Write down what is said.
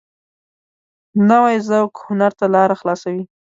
نوی ذوق هنر ته لاره خلاصوي